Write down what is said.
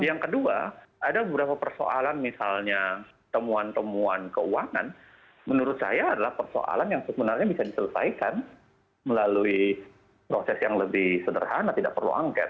dan yang kedua ada beberapa persoalan misalnya temuan temuan keuangan menurut saya adalah persoalan yang sebenarnya bisa diselesaikan melalui proses yang lebih sederhana tidak perlu angket